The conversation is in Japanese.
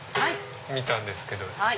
見たんですけど。